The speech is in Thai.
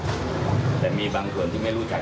แต่มีบางส่วนที่ไม่รู้จัก